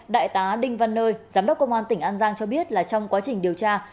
đại tá đinh văn nơi giám đốc công an tỉnh an giang cho biết là trong quá trình điều tra